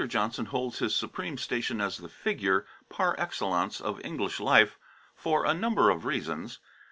Johnson holds his supreme station as the "figure" par excellence of English life for a number of reasons.